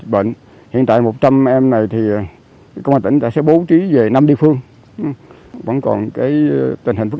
và giữ gìn trật tự